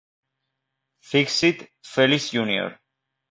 Fix-It Felix Jr.